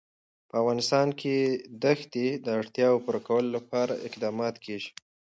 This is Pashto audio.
په افغانستان کې د ښتې د اړتیاوو پوره کولو لپاره اقدامات کېږي.